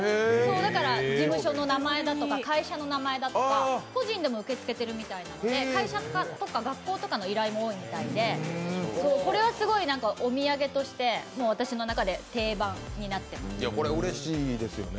だから事務所の名前だとか会社の名前だとか個人でも受け付けてるみたいなんで会社とか学校とかの依頼も多いみたいでこれはすごいお土産として、私の中で定番になってます。